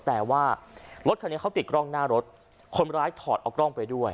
แต่ว่ารถคันนี้เขาติดกล้องหน้ารถคนร้ายถอดเอากล้องไปด้วย